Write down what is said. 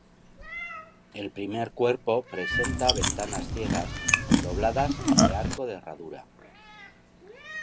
El primer cuerpo presenta ventanas ciegas, dobladas y de arco de herradura.